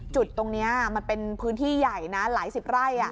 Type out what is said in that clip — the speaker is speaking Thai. จุดตรงนี้มันเป็นพื้นที่ใหญ่นะหลายสิบไร่